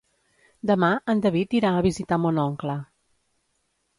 Demà en David irà a visitar mon oncle.